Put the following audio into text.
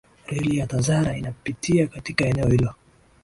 reli ya tazara inapitia katika eneo hilo